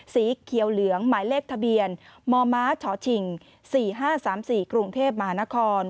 สีเขียวเหลืองหมายเลขทะเบียนมมชชิง๔๕๓๔กรุงเทพมหานคร